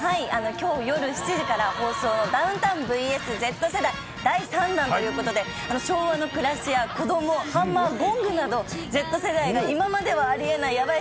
きょう夜７時から放送、ダウンタウンｖｓＺ世代第３弾ということで、昭和の暮らしや子ども、ハンマーゴングなど、Ｚ世代が今まではありえないやばい